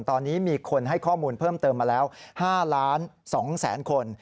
ตอนนี้มีคนให้ข้อมูลเพิ่มเติมมาแล้ว๕๒๐๐๐คน